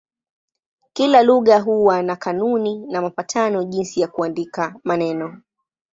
Kila lugha huwa na kanuni na mapatano jinsi ya kuandika maneno.